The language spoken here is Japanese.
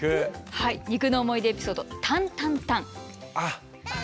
はい「肉」の思い出エピソード「タン・タン・タン」。